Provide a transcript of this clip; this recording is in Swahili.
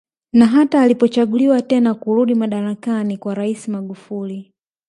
Na hata alipochaguliwa tena kurudi madarakani kwa rais Mgufuli